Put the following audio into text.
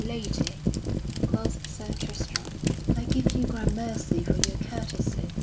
"Lady," quoth Sir Tristram, "I give you gramercy for your courtesy.